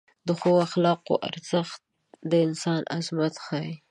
د ښو اخلاقو ارزښت د انسان عظمت ښیي.